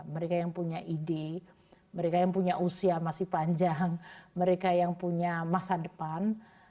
mereka yang punya ide mereka yang punya usia masih panjang mereka yang punya masa depan